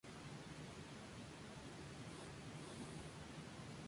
La agricultura estaba desarrollada.